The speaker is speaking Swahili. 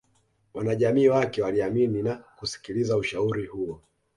Wanajamii wake waliamini na kusikiliza ushauri huo